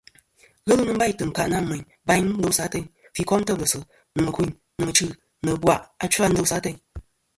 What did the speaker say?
Ghelɨ nɨn bâytɨ̀ ɨnkâʼ nâ mèyn bayn ndosɨ ateyn, fî kom têblɨ̀sɨ̀, nɨ̀ mɨ̀kûyn, nɨ̀ mɨchî, nɨ̀ ɨ̀bwàʼ achfɨ a ndosɨ ateyn.